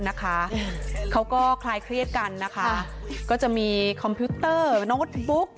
นะคะเขาก็คลายเครียดกันนะคะก็จะมีคอมพิวเตอร์โน้ตบุ๊ก